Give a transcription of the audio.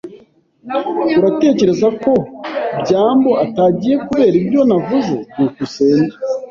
Uratekereza ko byambo atagiye kubera ibyo navuze? byukusenge